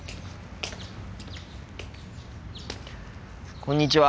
こんにちは。